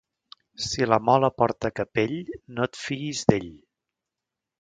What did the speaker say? Si la Mola porta capell, no et fiïs d'ell.